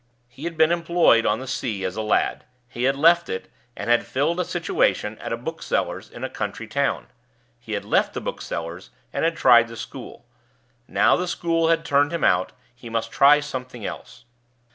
He had been employed on the sea as a lad. He had left it, and had filled a situation at a bookseller's in a country town. He had left the bookseller's, and had tried the school. Now the school had turned him out, he must try something else.